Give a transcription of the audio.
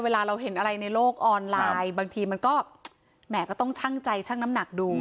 เวลาเราเห็นอะไรในโลกออนไลน์บางทีมันก็แหมก็ต้องชั่งใจช่างน้ำหนักดู